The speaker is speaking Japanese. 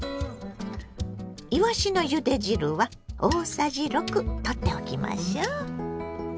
いわしのゆで汁は大さじ６とっておきましょう。